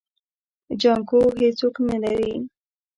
جانکو هيڅوک نه لري.